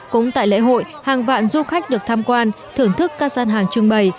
cũng tại lễ hội hàng vạn du khách được tham quan thưởng thức các gian hàng trưng bày